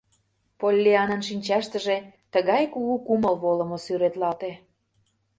Поллианнан шинчаштыже тыгай кугу кумыл волымо сӱретлалте.